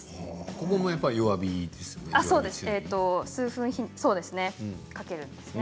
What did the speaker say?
ここも弱火ですよね？